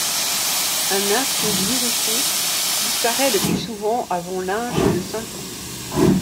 Un asthme du nourrisson disparaît le plus souvent avant l'âge de cinq ans.